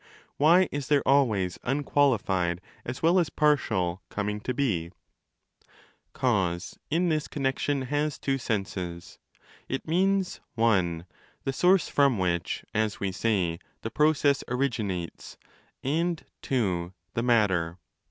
Why is there always unqualified,? as well as partial,' coming to be ἢ 'Cause' in this connexion has two senses. It means 318* (i) the source from which, as we say, the process ' originates', and (ii) the matter.